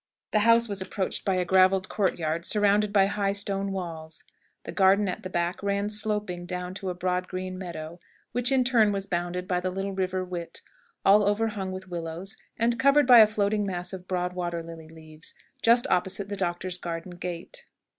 The house was approached by a gravelled courtyard, surrounded by high stone walls. The garden at the back ran sloping down to a broad green meadow, which in turn was bounded by the little river Whit, all overhung with willows, and covered by a floating mass of broad water lily leaves, just opposite the doctor's garden gate.